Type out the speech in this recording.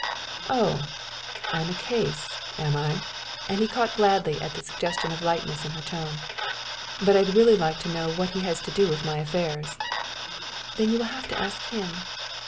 "Oh, I'm a case, am I?" and he caught gladly at the suggestion of lightness in her tone. "But I'd really like to know what he has to do with my affairs." "Then you will have to ask him."